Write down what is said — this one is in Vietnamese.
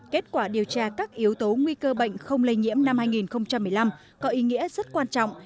kết quả điều tra các yếu tố nguy cơ bệnh không lây nhiễm năm hai nghìn một mươi năm có ý nghĩa rất quan trọng